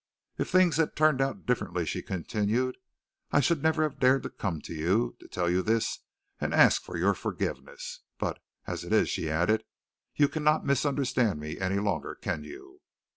If things had turned out differently," she continued, "I should never have dared to come to you, to tell you this and to ask for your forgiveness. But as it is," she added, "you cannot misunderstand me any longer, can you?"